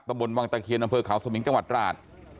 ตะบุลวังตะเคียนอำเภอขาวสมิงจังหวัดราช